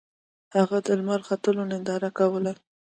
هغه د لمر ختلو ننداره کوله.